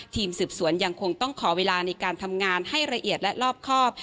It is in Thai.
ทีมสืบสวนยังคงต้องขอเวลาในการทำงานให้ละเอียดและรอบครอบ